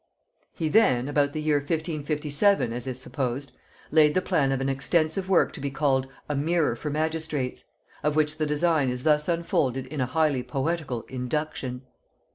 He then, about the year 1557 as is supposed, laid the plan of an extensive work to be called "A Mirror for Magistrates;" of which the design is thus unfolded in a highly poetical "Induction."